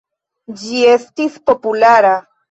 Ĝi estis populara.